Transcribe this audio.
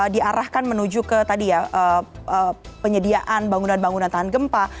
diarahkan menuju ke penyediaan bangunan bangunan tahan gempa